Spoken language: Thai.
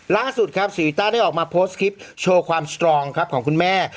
ล่าสุดครับศรีต้าได้ออกมาโพสต์คลิปโชว์ความสตรองครับของคุณแม่